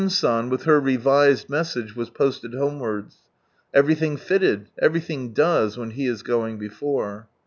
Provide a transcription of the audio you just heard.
San, with her revised message, was posted homewards. Everylhing fitted, everything does, when He is going before.